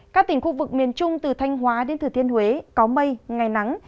các tỉnh khu vực miền trung từ thanh hóa đến thừa thiên huế có mây ngày nắng